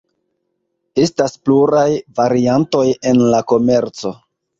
Estas pluraj variantoj en la komerco.